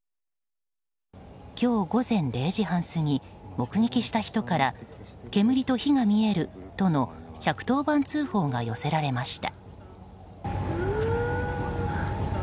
今日午前０時半過ぎ目撃した人から煙と火が見えるとの１１０番通報が寄せられました。